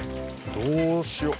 どうしよう。